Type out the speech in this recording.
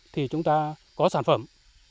thì chúng ta có sản phẩm